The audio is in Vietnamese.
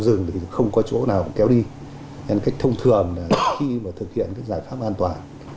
rừng thì không có chỗ nào kéo đi nên cách thông thường khi mà thực hiện các giải pháp an toàn